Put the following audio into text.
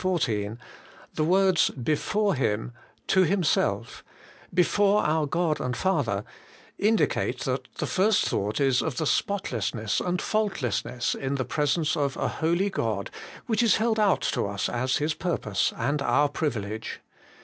14) the words 'before Him/ 'to Him self,' ' before our God and Father,' indicate that the first thought is of the spotlessness and faultlessness in the presence of a Holy God, which is held out to us as His purpose and our privilege.